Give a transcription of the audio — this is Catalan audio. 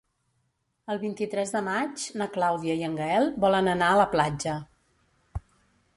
El vint-i-tres de maig na Clàudia i en Gaël volen anar a la platja.